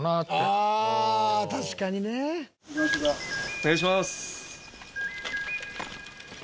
お願いします。